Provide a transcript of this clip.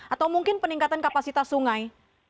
atau mungkin peningkatan kapasitas sungai